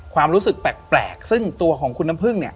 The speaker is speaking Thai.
ความรู้สึกแปลกซึ่งตัวของคุณน้ำพึ่งเนี่ย